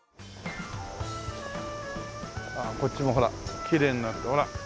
こっちもほらきれいになって。